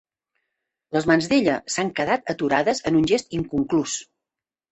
Les mans d’ella s’han quedat aturades en un gest inconclús.